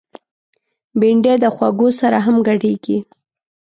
بېنډۍ د خوږو سره هم ګډیږي